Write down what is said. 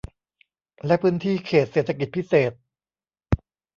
และพื้นที่เขตเศรษฐกิจพิเศษ